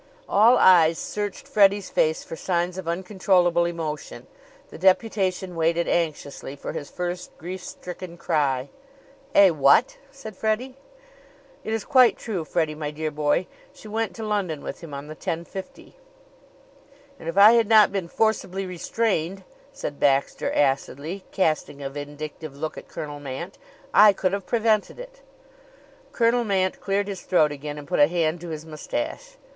All eyes searched Freddie's face for signs of uncontrollable emotion. The deputation waited anxiously for his first grief stricken cry. "Eh? What?" said Freddie. "It is quite true, Freddie, my dear boy. She went to London with him on the ten fifty." "And if I had not been forcibly restrained," said Baxter acidly, casting a vindictive look at Colonel Mant, "I could have prevented it." Colonel Mant cleared his throat again and put a hand to his mustache.